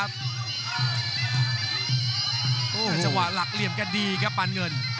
รักเวลหลักเลี่ยมก็ดีครับปัญเงิน